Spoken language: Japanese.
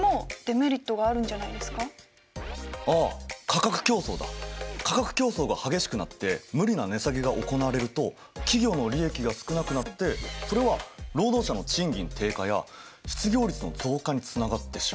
価格競争が激しくなって無理な値下げが行われると企業の利益が少なくなってそれは労働者の賃金低下や失業率の増加につながってしまう。